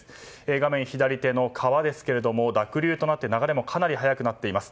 画面左手の川ですが濁流となって流れもかなり速くなっています。